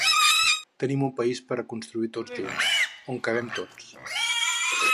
Tenim un país per a construir tots junts, on cabem tots.